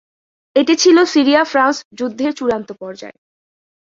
এটি ছিল সিরিয়া-ফ্রান্স যুদ্ধের চূড়ান্ত পর্যায়।